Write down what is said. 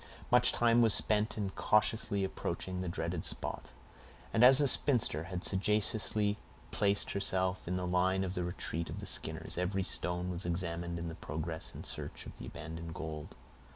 Much time was spent in cautiously approaching the dreaded spot; and as the spinster had sagaciously placed herself in the line of the retreat of the Skinners, every stone was examined in the progress in search of abandoned gold.